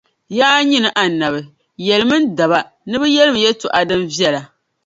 Yaa nyini Annabi! Yεlimi N daba ni bɛ yεlimi yɛltɔɣa din viεla.